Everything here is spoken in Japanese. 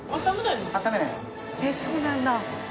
えっそうなんだ。